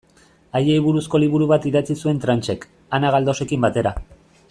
Haiei buruzko liburu bat idatzi zuen Tranchek, Ana Galdosekin batera.